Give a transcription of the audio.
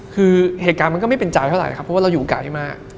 คือเหตุการณ์มันก็ไม่เป็นใจเท่าไหร่ครับเพราะว่าเราอยู่โอกาสนี้มาก